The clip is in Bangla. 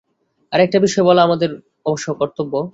আর একটি বিষয় বলা আমার অবশ্য কর্তব্য।